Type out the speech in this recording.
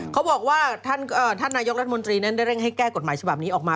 เขาบอกว่าท่านนายกรัฐมนตรีนั้นได้เร่งให้แก้กฎหมายฉบับนี้ออกมา